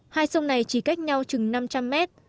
hai sông này chỉ cách nhau chừng năm trăm linh mét